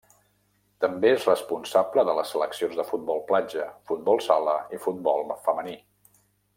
També és responsable de les seleccions de futbol platja, futbol sala i futbol femení.